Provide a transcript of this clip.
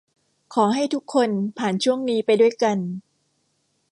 ขอให้ทุกคนผ่านช่วงนี้ไปด้วยกัน